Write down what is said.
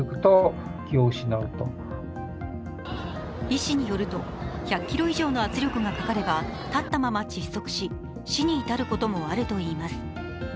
医師によると、１００ｋｇ以上の圧力がかかれば立ったまま窒息し死に至ることもあるといいます。